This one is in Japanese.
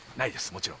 もちろん。